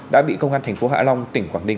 đã bị công an thành phố hạ long tỉnh quảng ninh